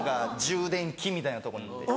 充電器みたいなとこに行って。